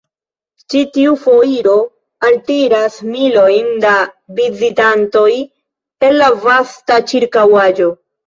Ĉi tiu foiro altiras milojn da vizitantoj el la vasta ĉirkaŭaĵo.